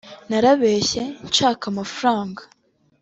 narabeshye nshaka amafaranga